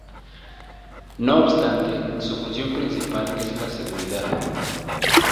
No obstante, su función principal es la seguridad.